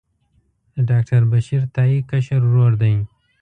د ډاکټر بشیر تائي کشر ورور دی.